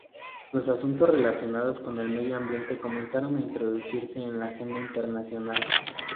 Los asuntos relacionados con el medio ambiente comenzaron a introducirse en la agenda internacional.